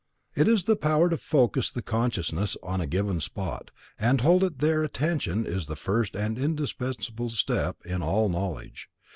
It is the power to focus the consciousness on a given spot, and hold it there Attention is the first and indispensable step in all knowledge.